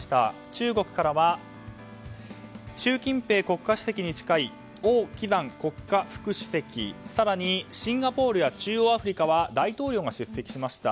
中国からは習近平国家主席に近いオウ・キザン国家副主席更にシンガポールや中央アフリカは大統領が出席しました。